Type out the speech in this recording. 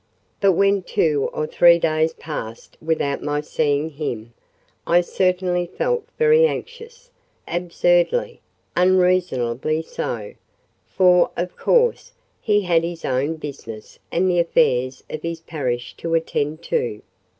But when two or three days passed without my seeing him, I certainly felt very anxious—absurdly, unreasonably so; for, of course, he had his own business and the affairs of his parish to attend to.